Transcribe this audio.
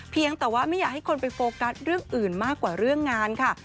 เพียงแต่ว่าไม่อยากให้คนไปโฟกัสเรื่องอื่นมากกว่าเรื่องงานค่ะ